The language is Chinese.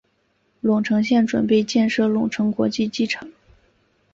隆城县准备建设隆城国际机场。